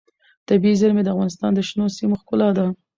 طبیعي زیرمې د افغانستان د شنو سیمو ښکلا ده.